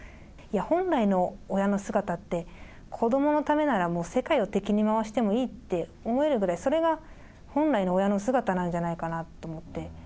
本来の親の姿って、子どものためならもう世界を敵に回してもいいって思えるぐらい、それが本来の親の姿なんじゃないかなと思って。